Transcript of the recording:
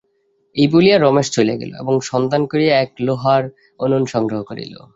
এই বলিয়া রমেশ চলিয়া গেল এবং সন্ধান করিয়া এক লোহার উনুন সংগ্রহ করিল।